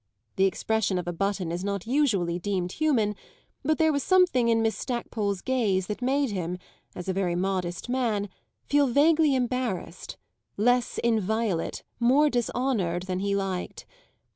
The expression of a button is not usually deemed human, but there was something in Miss Stackpole's gaze that made him, as a very modest man, feel vaguely embarrassed less inviolate, more dishonoured, than he liked.